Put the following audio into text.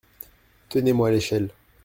Tenez-moi l’échelle !